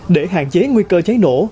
để hạn chế nguy cơ cháy nổ